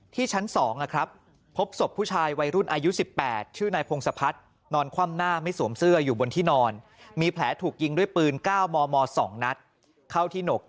ที่ชั้น๒ครับพบศพผู้ชายวัยรุ่นอายุ๑๘ชื่อนายพงศพัฒน์